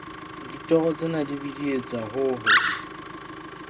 Ditoro tsena di bidietsa ho hong.